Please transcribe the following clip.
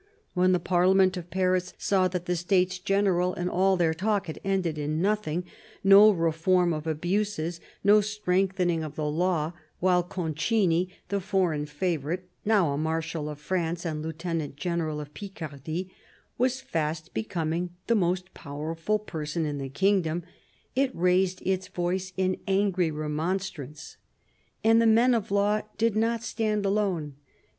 When the Parliament of Paris saw that the States General and all their talk had ended in nothing — no reform of abuses, no strengthening of the law, while Concini, the foreign favourite, now a Marshal of France and Lieutenant General of Picardy, was fast becoming the most powerful person in the kingdom — it raised its voice in angry remonstrance. And the men of law did not stand alone.